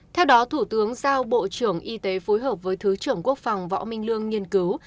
theo đó thủ tướng giao bộ trưởng y tế phối hợp với thứ trưởng quốc phòng võ minh lương nghiên cứu